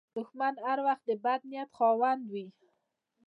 دښمن هر وخت د بد نیت خاوند وي